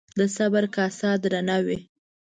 د صبر کاسه درانه وي